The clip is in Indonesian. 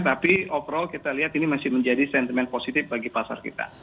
tapi overall kita lihat ini masih menjadi sentimen positif bagi pasar kita